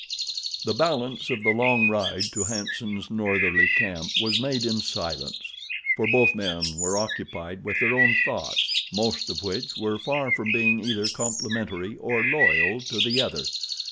The balance of the long ride to Hanson's northerly camp was made in silence, for both men were occupied with their own thoughts, most of which were far from being either complimentary or loyal to the other.